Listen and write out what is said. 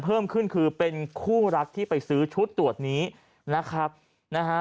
เพิ่มขึ้นคือเป็นคู่รักที่ไปซื้อชุดตรวจนี้นะครับนะฮะ